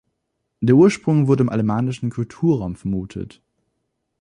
Der Ursprung wird im alemannischen Kulturraum vermutet.